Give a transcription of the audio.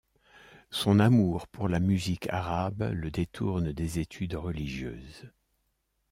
Son amour pour la musique arabe le détourne des études religieuses.